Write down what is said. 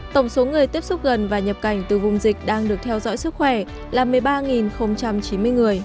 tổng số người tiếp xúc gần và nhập cảnh từ vùng dịch đang được theo dõi sức khỏe là một mươi ba chín mươi người